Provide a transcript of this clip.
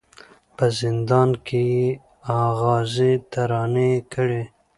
په زندان کي یې آغازي ترانې کړې